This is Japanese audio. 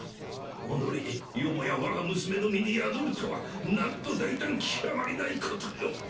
おのれよもや我が娘の身に宿るとはなんと大胆極まりないことよ。